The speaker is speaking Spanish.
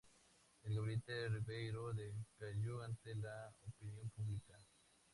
El gabinete Ribeyro decayó ante la opinión pública.